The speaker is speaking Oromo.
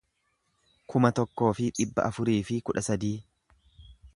kuma tokkoo fi dhibba afurii fi kudha sadii